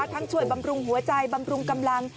ช่วยบำรุงหัวใจบำรุงกำลัง